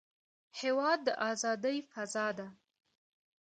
هېواد د ازادۍ فضا ده.